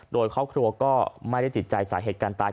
โดยครอบครัวก็ไม่ได้ติดใจสาเหตุการณ์ตาย